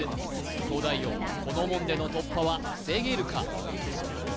東大王この門での突破は防げるか？